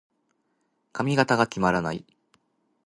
髪型が決まらない。